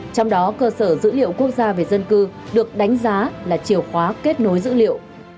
trong đó cơ sở dữ liệu quốc gia về dân cư được đánh giá là chiều khóa kết nối dữ liệu